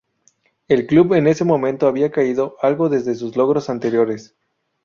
El club en ese momento había caído algo desde sus logros anteriores.